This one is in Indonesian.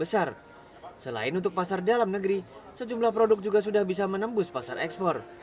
selain untuk pasar dalam negeri sejumlah produk juga sudah bisa menembus pasar ekspor